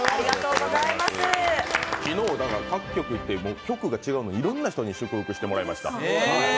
昨日各局、局が違うのにいろんな人に祝福してもらいました。